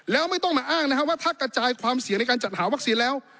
แล้วไม่ต้องมาอ้างนะครับว่าถ้ากระจายความเสี่ยงในการจัดหาวัคซีนแล้ว